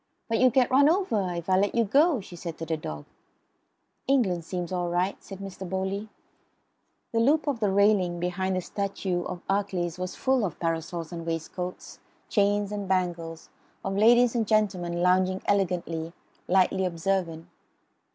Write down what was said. "But you'll get run over if I let you go," she said to the dog. "England seems all right," said Mr. Bowley. The loop of the railing beneath the statue of Achilles was full of parasols and waistcoats; chains and bangles; of ladies and gentlemen, lounging elegantly, lightly observant.